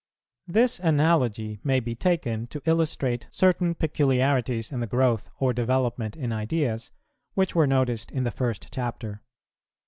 This analogy may be taken to illustrate certain peculiarities in the growth or development in ideas, which were noticed in the first Chapter.